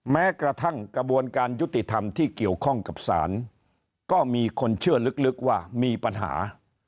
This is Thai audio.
แม้กระทั่งกระบวนการยุติธรรมที่เกี่ยวข้องกับศาลก็มีคนเชื่อลึกว่ามีปัญหา